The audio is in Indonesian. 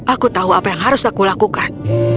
aku tahu apa yang harus aku lakukan